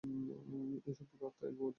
এই সর্বগ আত্মা এক ও অদ্বিতীয়।